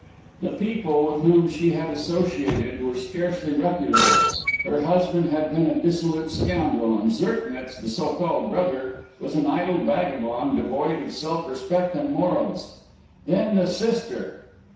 The people with whom she had associated were scarcely reputable. Her husband had been a dissolute scoundrel, and Zirknitz, the so called brother, was an idle vagabond, devoid of self respect and morals. Then the sister!